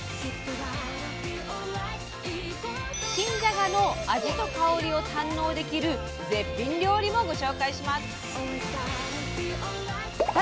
新じゃがの味と香りを堪能できる絶品料理もご紹介します！